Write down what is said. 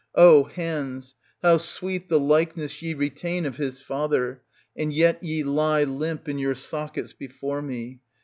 O hands, how sweet the likeness ye retain of his father, and yet ye lie limp in your sockets before me